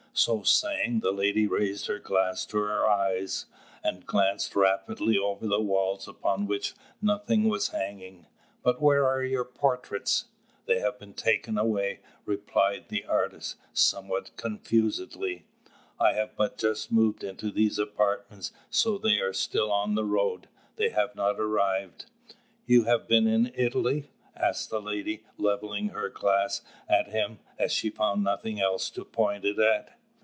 So saying, the lady raised her glass to her eyes and glanced rapidly over the walls, upon which nothing was hanging. "But where are your portraits?" "They have been taken away" replied the artist, somewhat confusedly: "I have but just moved into these apartments; so they are still on the road, they have not arrived." "You have been in Italy?" asked the lady, levelling her glass at him, as she found nothing else to point it at.